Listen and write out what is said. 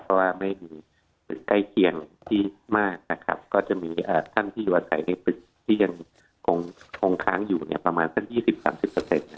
เพราะว่าไม่มีใกล้เคียงที่มากนะครับก็จะมีท่านที่อยู่อาศัยในปรึกที่ยังคงค้างอยู่เนี่ยประมาณทั้ง๒๐๓๐นะครับ